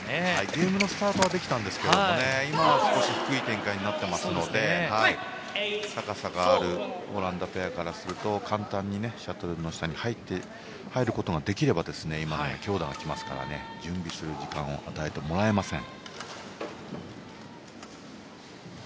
ゲームのスタートはできていたんですが今は、少し低い展開になっているので高さがあるオランダペアからすると簡単に、シャトルの下に入ることができれば強打が来ますから準備する時間を与えてもらえません。